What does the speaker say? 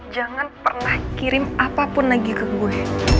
jangan pernah kirim apapun lagi ke gue